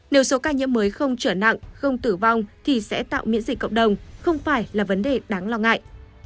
nếu số ca nhiễm mới không trở nặng không tử vong thì sẽ tạo miễn dịch cộng đồng không phải là vấn đề đáng lo ngại